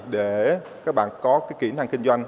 để các bạn có cái kỹ năng kinh doanh